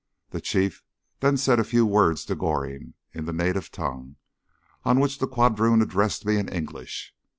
The chief then said a few words to Goring in the native tongue, on which the quadroon addressed me in English.